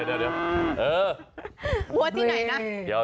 วัวที่ไหนนะ